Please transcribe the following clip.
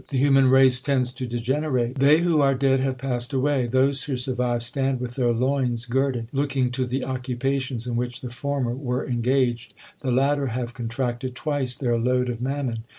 The human race tends to degenerate : They who are dead have passed away ; They who survive stand with their loins girded : Looking to the occupations in which the former were engaged, The latter have contracted twice their load of mammon.